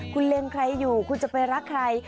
คุณเล็งใครอยู่คุณจะไปรักใคร